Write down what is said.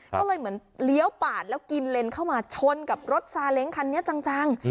ก็เลยเหมือนเลี้ยวปาดแล้วกินเลนเข้ามาชนกับรถซาเล้งคันนี้จัง